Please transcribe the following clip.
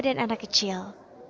dan anak kecil